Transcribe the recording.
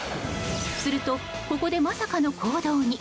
すると、ここでまさかの行動に。